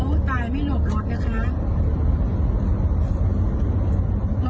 ผู้ตายไม่หลบรถนะคะ